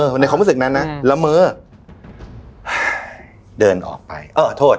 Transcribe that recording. ในความรู้สึกนั้นนะละเมอเดินออกไปเออโทษ